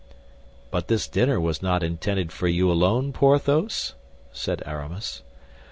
"But this dinner was not intended for you alone, Porthos?" said Aramis.